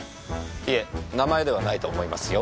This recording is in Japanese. いえ名前ではないと思いますよ。